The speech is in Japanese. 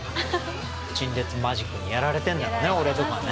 陳列マジックにやられてんだろうね俺とかね